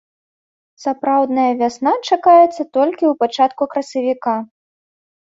Сапраўдная вясна чакаецца толькі ў пачатку красавіка.